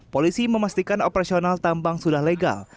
polisi memastikan operasional tambang sudah legal